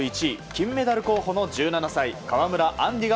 １位金メダル候補の１７歳川村あん